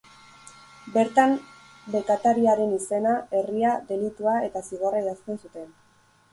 Bertan, bekatariaren izena, herria, delitua eta zigorra idazten zuten.